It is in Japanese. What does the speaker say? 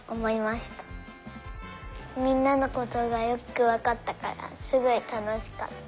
みんなのことがよくわかったからすごいたのしかった。